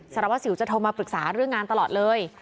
สารวัสสิวจะโทรมาปรึกษาเรื่องงานตลอดเลย